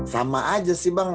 sama aja sih bang